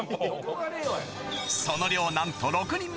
その量なんと６人前。